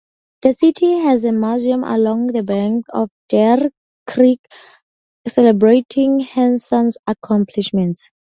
The city has a museum along the banks of Deer Creek celebrating Henson's accomplishments.